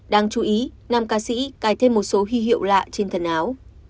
đáng chú ý năm ca sĩ cài thêm một số huy hiệu lạ trên thần áo